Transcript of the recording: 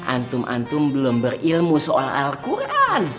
antum antum belum berilmu soal alquran